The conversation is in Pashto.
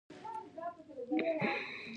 وژنه د پټو ارمانونو ماتې ده